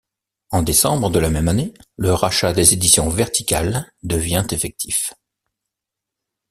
En décembre de la même année, le rachat des éditions Verticales devient effectif.